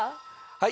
はい。